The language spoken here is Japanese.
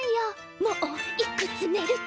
「もういくつ寝ると」